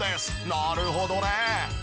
なるほどね！